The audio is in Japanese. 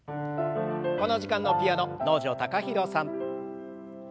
この時間のピアノ能條貴大さん。